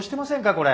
これ。